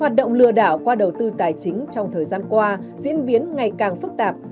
hoạt động lừa đảo qua đầu tư tài chính trong thời gian qua diễn biến ngày càng phức tạp